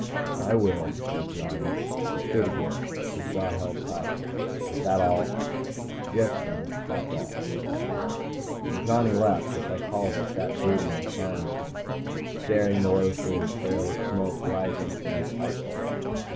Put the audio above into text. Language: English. "I will," said Johnny. He stood again, his jaw held tight. "Is that all?" "Yes, Colonel, that's all," said Lambert. When Johnny left, the psychologist sat in brooding silence, staring morosely at a trail of blue smoke rising from his pipe bowl.